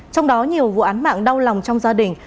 trong đó nhiều vụ án mạng đau lòng trong gia đình